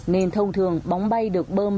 nên thông thường bong bay được bơm